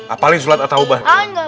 apalagi sulat ataubah